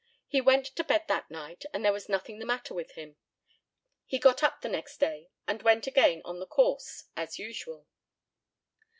He went to bed that night, and there was nothing the matter with him. He got up the next day, and went again on the course, as usual.